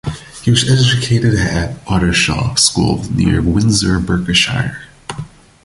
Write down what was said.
He was educated at Ottershaw School near Windsor, Berkshire.